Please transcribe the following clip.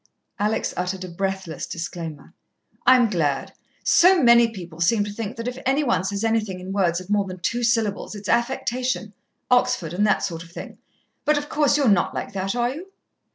Alex uttered a breathless disclaimer. "I'm glad. So many people seem to think that if any one says anything in words of more than two syllables it's affectation. Oxford and that sort of thing. But, of course, you're not like that, are you?"